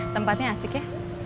tempatnya asik ya